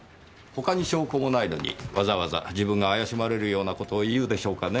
他に証拠もないのにわざわざ自分が怪しまれるような事を言うでしょうかねぇ。